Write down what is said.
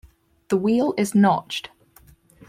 The wheel is notched.